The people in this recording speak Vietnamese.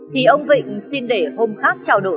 thì ông vịnh xin để hôm khác trao đổi